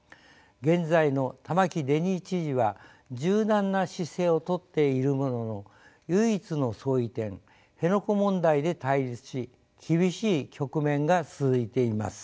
現在の玉城デニー知事は柔軟な姿勢をとっているものの唯一の相違点辺野古問題で対立し厳しい局面が続いています。